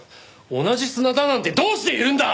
同じ砂だなんてどうしていえるんだ！